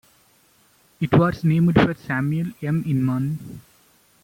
It was named for Samuel M. Inman.